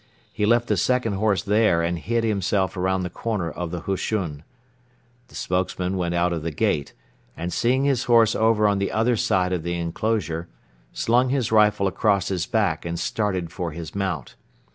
He left the second horse there and hid himself around the corner of the hushun. The spokesman went out of the gate and, seeing his horse over on the other side of the enclosure, slung his rifle across his back and started for his mount.